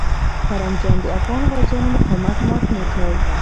پرنګیان د افغان غازیانو مقاومت مات نه کړ.